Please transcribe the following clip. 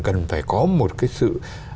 cần phải có một cái sự